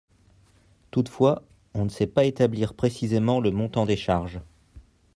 Toutefois on ne sait pas établir précisément le montant des charges.